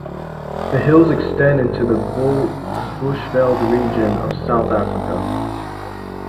The hills extend into the Bushveld region of South Africa.